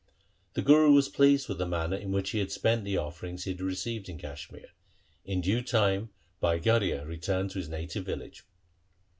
The Guru was pleased with the manner in which he had spent the offerings he had received in Kashmir. In due time Bhai Garhia returned to his native village.